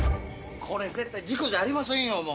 これ絶対事故じゃありませんよ！